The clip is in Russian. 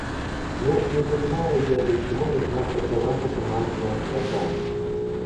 Ну не понимаю я для чего нужна эта ваша командная строка!